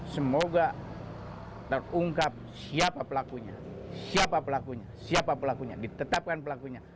semoga terungkap siapa pelakunya siapa pelakunya siapa pelakunya ditetapkan pelakunya